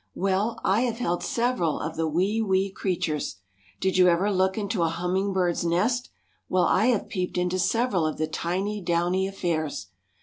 Well, I have held several of the wee, wee creatures. Did you ever look into a hummingbird's nest? Well, I have peeped into several of the tiny, downy affairs.